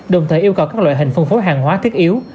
đồng thời yêu cầu các loại hình phân phối hàng hóa thiết yếu